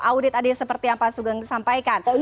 audit adit seperti yang pak sugeng sampaikan